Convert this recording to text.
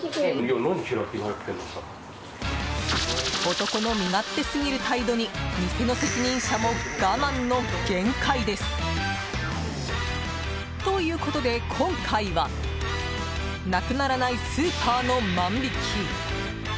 男の身勝手すぎる態度に店の責任者も我慢の限界です。ということで、今回はなくならないスーパーの万引き。